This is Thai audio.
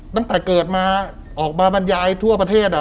ตั้งแต่เกิดมาออกมาบรรยายทั่วประเทศ